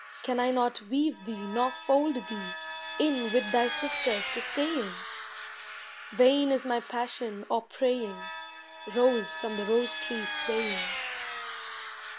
Can I not weave thee nor fold thee In with thy sisters to staying ? Vain is my passion or praying, Rose from the rose tree swaying.